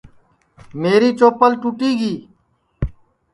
میری چوپل ٹوٹی گی